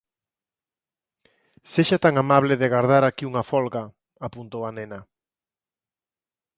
Sexa tan amable de agardar aquí unha folga —apuntou a nena—.